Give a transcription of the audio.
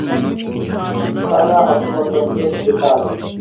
ئىشخانا ئاپتوماتلاشتۇرۇش دېتالى